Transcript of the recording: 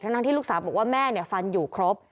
ทั้งที่ลูกสาวบอกว่าแม่ฟันอยู่ครบ